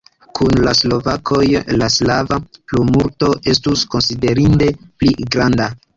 Kun la slovakoj la slava plimulto estus konsiderinde pli granda.